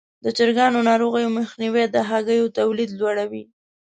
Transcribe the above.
د چرګانو ناروغیو مخنیوی د هګیو تولید لوړوي.